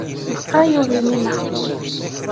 Lqay ugelmim-a.